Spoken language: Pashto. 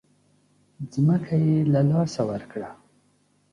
ځمکه یې له لاسه ورکړه.